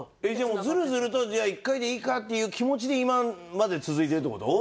じゃあもうずるずると１回でいいかっていう気持ちで今まで続いてるって事？